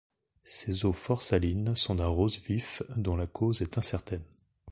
Ses eaux fort salines sont d'un rose vif dont la cause est incertaine.